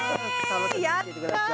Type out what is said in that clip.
やった。